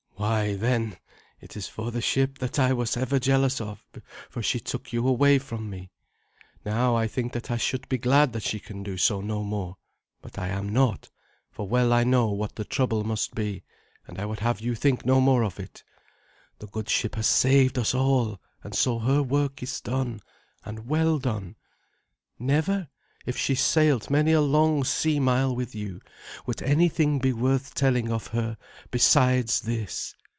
"Why, then, it is for the ship that I was ever jealous of, for she took you away from me. Now I think that I should be glad that she can do so no more. But I am not, for well I know what the trouble must be, and I would have you think no more of it. The good ship has saved us all, and so her work is done, and well done. Never, if she sailed many a long sea mile with you, would anything be worth telling of her besides this.